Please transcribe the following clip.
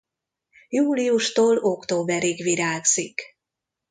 Júliustól októberig virágzik.